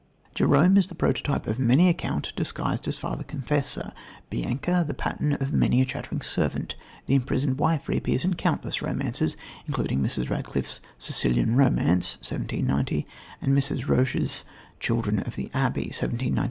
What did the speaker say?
Jerome is the prototype of many a count disguised as father confessor, Bianca the pattern of many a chattering servant. The imprisoned wife reappears in countless romances, including Mrs. Radcliffe's Sicilian Romance (1790), and Mrs. Roche's Children of the Abbey (1798).